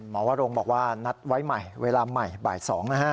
วรงบอกว่านัดไว้ใหม่เวลาใหม่บ่าย๒นะฮะ